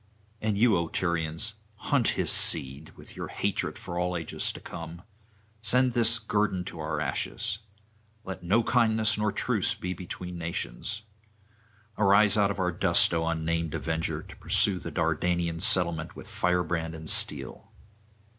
And you, O Tyrians, hunt his seed with your hatred for all ages to come; send this guerdon to our ashes. Let no kindness nor truce be between the nations. Arise out of our dust, O unnamed avenger, to pursue the Dardanian settlement with firebrand and steel.